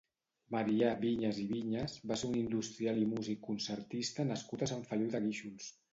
Marià Vinyas i Vinyas va ser un industrial i músic concertista nascut a Sant Feliu de Guíxols.